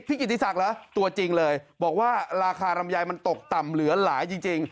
กิติศักดิ์เหรอตัวจริงเลยบอกว่าราคาลำไยมันตกต่ำเหลือหลายจริง